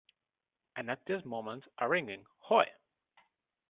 And at this moment a ringing "Hoy!"